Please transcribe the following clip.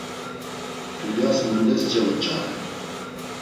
Dulyas mundes cevoç̌are?